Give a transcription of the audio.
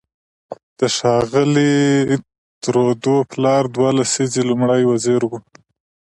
د ښاغلي ترودو پلار دوه لسیزې لومړی وزیر و.